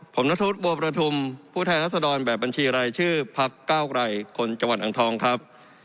ผมนัทธวุฒิบัวประทุมผู้แทนรัศดรแบบบัญชีรายชื่อพักเก้าไกรคนจังหวัดอ่างทองครับ